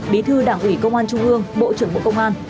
bí thư đảng ủy công an trung ương bộ trưởng bộ công an